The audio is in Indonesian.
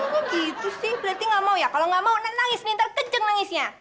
kayaknya gitu sih berarti gak mau ya kalau gak mau nak nangis nih ntar keceng nangisnya